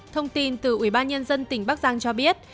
thông tin từ ubnd tỉnh bắc giang cho biết